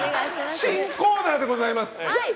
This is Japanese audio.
新コーナーでございます。